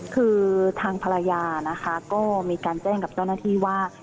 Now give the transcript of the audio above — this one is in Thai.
คือทางภรรยานะคะก็มีการแจ้งกับเจ้าหน้าที่ว่า